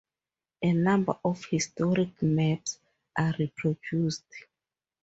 A number of historic maps are reproduced.